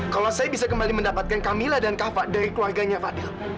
kalau saya bisa kembali mendapatkan camilla dan kafa dari keluarganya fadil